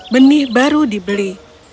benih baru dibeli